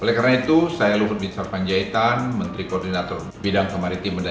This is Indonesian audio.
oleh karena itu saya luhut bin sarfanjaitan menteri koordinator bidang kemaritim dan bidang asuransi